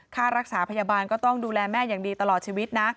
ค่ารักษาพยาบาลก็ต้องดูแลแม่อย่างดีตลอดชีวิตนะ